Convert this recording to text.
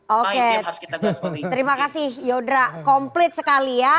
oke terima kasih yodra komplit sekali ya